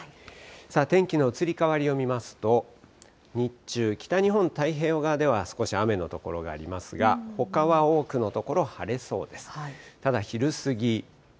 さあ、天気の移り変わりを見ますと、日中、北日本太平洋側では少し雨の所がありますが、ほかは多くの所、晴れそうです。